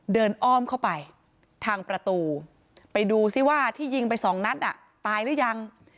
อ้อมเข้าไปทางประตูไปดูซิว่าที่ยิงไปสองนัดอ่ะตายหรือยัง